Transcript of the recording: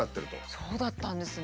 そうだったんですね。